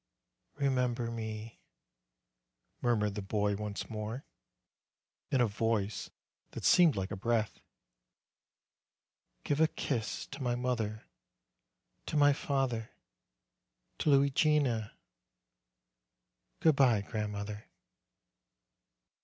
"Remember me," murmured the boy once more, in a voice that seemed like a breath. "Give a kiss to my LITTLE MASON ON HIS SICK BED 197 mother to my father to Luigina Good bye, grand mother."